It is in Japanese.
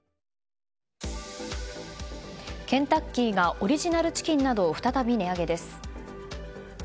ケンタッキーがオリジナルチキンなどを再び値上げです。